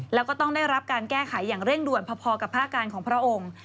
แล้วก็ต้องได้รับการแก้ไขอย่างเร่งด่วนพอกับพระอาการของพระองค์